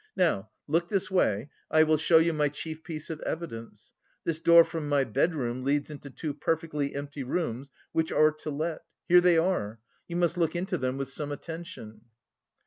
Now, look this way. I will show you my chief piece of evidence: this door from my bedroom leads into two perfectly empty rooms, which are to let. Here they are... You must look into them with some attention."